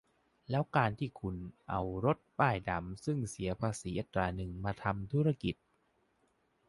แล้วการที่คุณเอารถป้ายดำซึ่งเสียภาษีอัตราหนึ่ง มาทำธุรกิจ